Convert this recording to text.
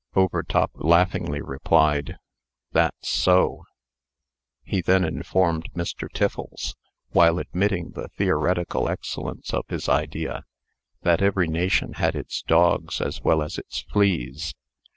Overtop laughingly replied, "That's so." He then informed Mr. Tiffles, while admitting the theoretical excellence of his idea, that every nation had its dogs as well as its fleas.